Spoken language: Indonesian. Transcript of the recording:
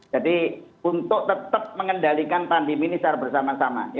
jadi untuk tetap mengendalikan pandemi ini secara bersama sama